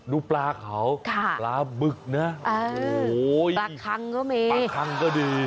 ดูปลาเขาปลาบึกนะโอ้โหปลาคังก็มีปลาคังก็ดี